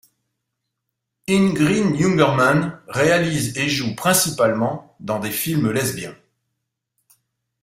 Ingrid Jungermann réalise et joue principalement dans des films lesbiens.